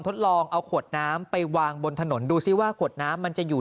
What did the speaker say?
ทดลองเอาขวดน้ำไปวางบนถนนดูซิว่าขวดน้ำมันจะอยู่